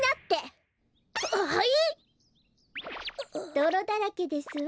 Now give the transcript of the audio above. どろだらけですわ。